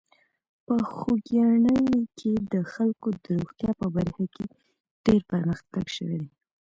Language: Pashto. په خوږیاڼي کې د خلکو د روغتیا په برخه کې ډېر پرمختګ شوی دی.